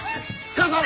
母さん。